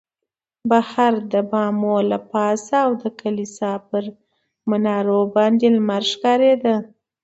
بهر د بامو له پاسه او د کلیسا پر منارو باندې لمر ښکارېده.